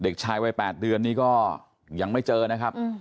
เด็กชายวัย๘เดือนนี้ก็ยังไม่เจอนะครับ